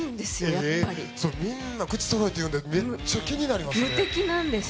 やっぱりみんな口揃えて言うんでめっちゃ気になりますね無敵？